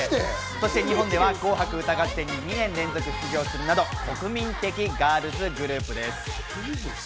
そして日本では『紅白歌合戦』に２年連続出場するなど国民的ガールズグループです。